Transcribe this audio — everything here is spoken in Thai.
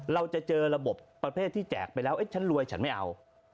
เราจะเจอระบบประเภทที่แจกไปแล้วฉันรวยฉันไม่เอา